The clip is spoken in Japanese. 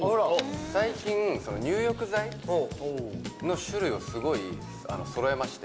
最近、入浴剤の種類をすごいそろえまして。